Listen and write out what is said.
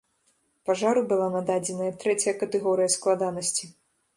Пажару была нададзеная трэцяя катэгорыя складанасці.